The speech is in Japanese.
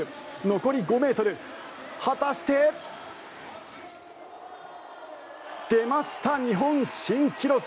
残り５ｍ、果たして。出ました、日本新記録！